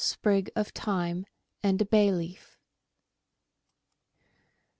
sprig of thyme, and a bay leaf.